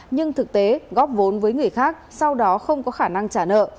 nhưng thực tế góp vốn với người khác sau đó không có khả năng trả nợ